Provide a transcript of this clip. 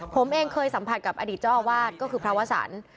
ผมเองเคยสัมผัสกับอดีตเจ้าอาวาสก็คือพระวสัน